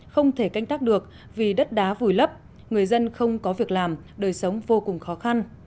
không thể canh tác được vì đất đá vùi lấp người dân không có việc làm đời sống vô cùng khó khăn